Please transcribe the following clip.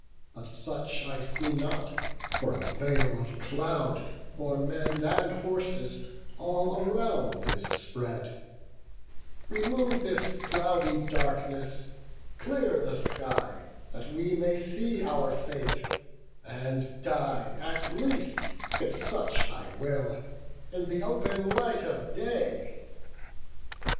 But such I see not; for a veil of cloud O'er men and horses all around is spread. O Father Jove, from, o'er the sons of Greece Remove this cloudy darkness; clear the sky, That we may see our fate, and die at least, If such thy will, in th' open light of day."